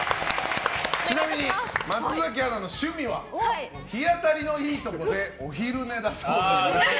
ちなみに松崎アナの趣味は日当りのいいところでお昼寝だそうです。